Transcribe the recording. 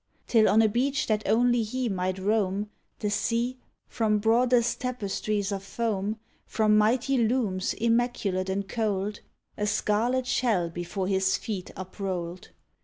Till, on a beach that only he might roam, The sea, from broadest tapestries of foam, From mighty looms immaculate and cold, A scarlet shell before his feet uprolled.